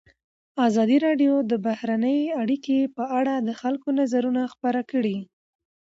ازادي راډیو د بهرنۍ اړیکې په اړه د خلکو نظرونه خپاره کړي.